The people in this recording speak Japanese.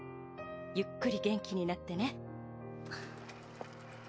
ゆっくり元気になってね。